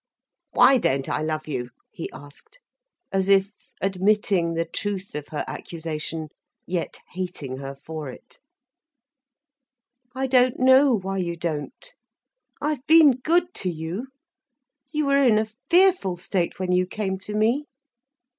"Why don't I love you?" he asked, as if admitting the truth of her accusation, yet hating her for it. "I don't know why you don't—I've been good to you. You were in a fearful state when you came to me."